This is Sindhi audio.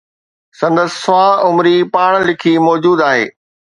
سندس سوانح عمري، پاڻ لکي، موجود آهي.